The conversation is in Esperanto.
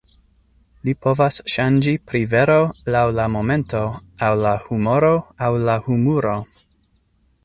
Li povas ŝanĝi pri vero laŭ la momento aŭ la humoro, aŭ la humuro!